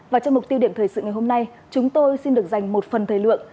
và trong mục tiêu điểm thời sự ngày hôm nay chúng tôi xin được dành một phần thời lượng